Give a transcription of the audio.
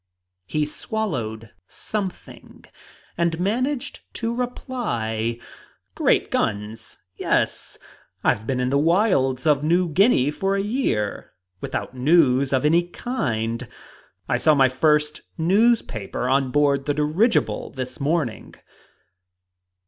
He swallowed something and managed to reply, "Great guns, yes! I've been in the wilds of New Guinea for a year without news of any kind! I saw my first newspaper on board the dirigible this morning!"